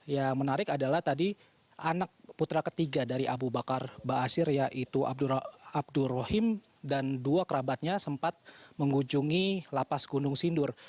yang menarik adalah tadi anak putra ketiga dari abu bakar ba'asyir yaitu abdur rahim dan dua kerabatnya sempat menghubungi lapas gunung sindur